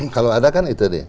kalau ada kan itu